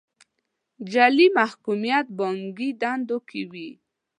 جعلي محکوميت بانکي دندو کې وي.